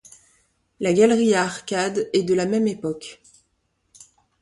La galerie à arcades est de la même époque.